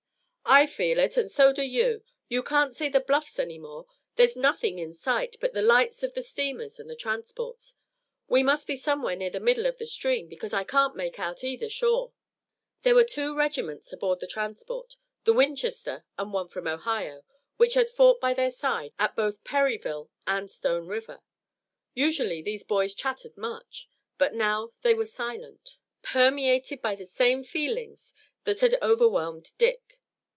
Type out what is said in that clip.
"I feel it and so do you. You can't see the bluffs any more. There's nothing in sight, but the lights of the steamers and the transports. We must be somewhere near the middle of the stream, because I can't make out either shore." There were two regiments aboard the transport, the Winchester and one from Ohio, which had fought by their side at both Perryville and Stone River. Usually these boys chattered much, but now they were silent, permeated by the same feelings that had overwhelmed Dick.